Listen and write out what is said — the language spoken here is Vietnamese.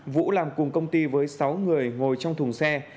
vũ làm cùng công ty với sáu người ngồi trong thùng xe